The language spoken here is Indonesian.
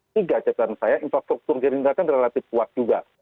tiga catatan saya infrastruktur gerindra kan relatif kuat juga